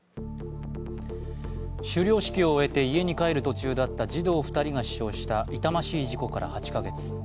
修了式を終えて家に帰る途中だった児童２人が死傷した痛ましい事故から８か月。